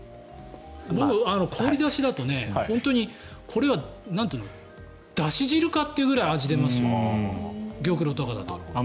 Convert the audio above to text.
僕、氷出しだとこれはだし汁かっていうぐらい味が出ますよ、玉露とかだと。